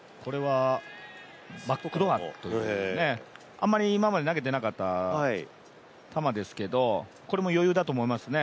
あんまり投げてなかった球ですけど、これは余裕だと思いますね。